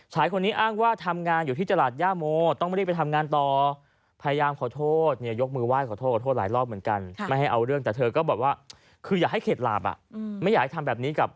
ฉายคนนี้อ้างว่าทำงานอยู่ที่จักรยาโม